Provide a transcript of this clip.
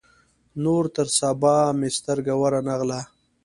نو تر سبا مې سترګه ور نه غله.